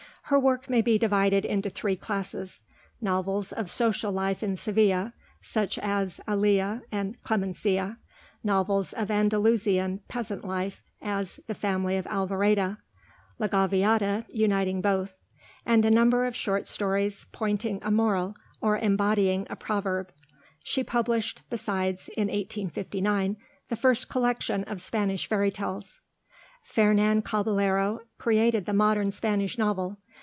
Her work may be divided into three classes: novels of social life in Seville, such as 'Elia' and 'Clemencia'; novels of Andalusian peasant life, as 'The Family of Alvoreda' ('La Gaviota' uniting both); and a number of short stories pointing a moral or embodying a proverb. She published besides, in 1859, the first collection of Spanish fairy tales. Fernan Caballero created the modern Spanish novel.